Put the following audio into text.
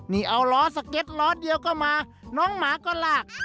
นี่เอาล้อสเก็ตล้อเดียวก็มาน้องหมาก็ลาก